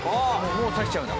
もう差しちゃうんだ。